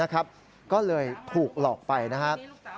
ก็เลยถูกหลอกไปนะครับ